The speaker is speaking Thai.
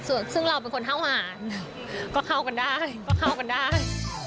ส่วนซึ่งเราเป็นคนท่าหวานก็เข้ากันได้